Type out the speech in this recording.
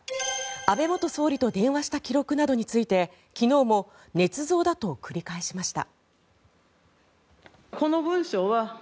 安倍元総理と電話した記録などについて昨日もねつ造だと繰り返しました。